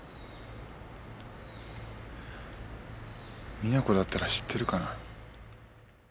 実那子だったら知ってるかな？